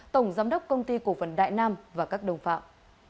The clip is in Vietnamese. tổng giám đốc công ty cổ phần đại nam và các đồng phạm